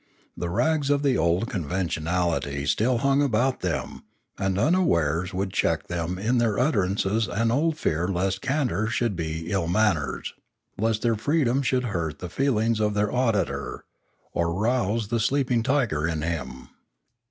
The rags of the old conventionality still hung about them, and unawares there would check them in their utterances an old fear lest candour should be ill man ners, lest their freedom should hurt the feelings of their auditor, or rouse the sleeping tiger in him.